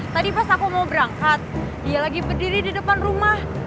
tadi pas aku mau berangkat dia lagi berdiri di depan rumah